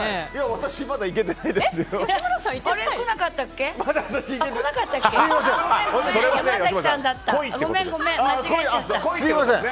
私、まだ行けてないですよ。